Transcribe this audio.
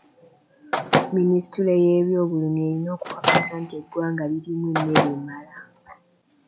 Minisitule y'ebyobulimi erina okukasa nti eggwanga lirimu emmere emala.